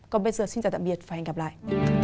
còn bây giờ xin chào tạm biệt và hẹn gặp lại